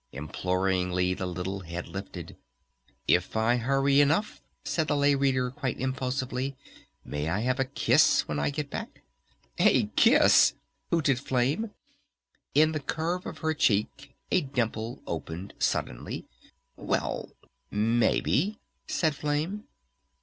Imploringly the little head lifted. "If I hurry enough," said the Lay Reader quite impulsively, "may I have a kiss when I get back?" "A kiss?" hooted Flame. In the curve of her cheek a dimple opened suddenly. "Well ... maybe," said Flame.